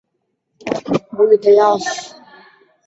本科鱼类以其头部下方有一对触须为最明显之特征之一。